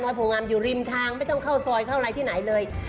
โพงามอยู่ริมทางไม่ต้องเข้าซอยเข้าอะไรที่ไหนเลย